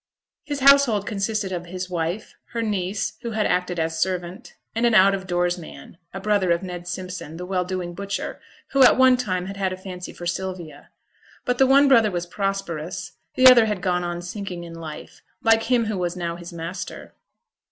His household consisted of his wife, her niece, who acted as servant, and an out of doors man, a brother of Ned Simpson, the well doing butcher, who at one time had had a fancy for Sylvia. But the one brother was prosperous, the other had gone on sinking in life, like him who was now his master.